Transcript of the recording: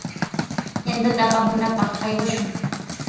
Yantata apamunapaq aywashun.